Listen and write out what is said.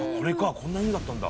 こんな犬だったんだ。